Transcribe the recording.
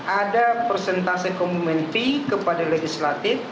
ada persentase community kepada legislatif